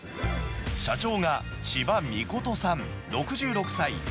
社長が千葉尊さん６６歳。